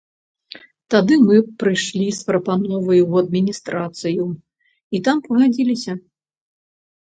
Тады мы прыйшлі з прапановай ў адміністрацыю і там пагадзіліся.